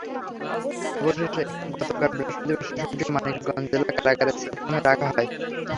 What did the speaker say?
অবশেষে গতকাল বৃহস্পতিবার শিশুটিকে মানিকগঞ্জ জেলা কারাগারের সেফ হোমে রাখা হয়।